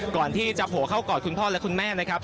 ก่อนที่จะโผล่เข้ากอดคุณพ่อและคุณแม่นะครับ